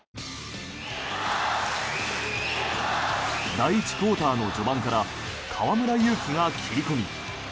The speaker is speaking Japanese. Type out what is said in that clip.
第１クオーターの序盤から河村勇輝が切り込み。